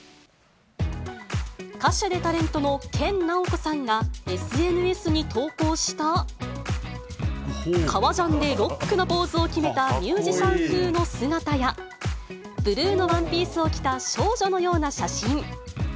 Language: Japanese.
歌手でタレントの研ナオコさんがＳＮＳに投稿した、革ジャンでロックなポーズを決めたミュージシャン風の姿や、ブルーのワンピースを着た少女のような写真。